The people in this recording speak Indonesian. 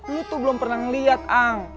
lo tuh belum pernah ngeliat ang